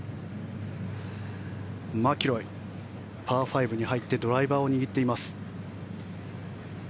マキロイ、パー５に入ってドライバーを握っています。